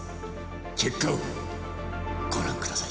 結果をご覧ください。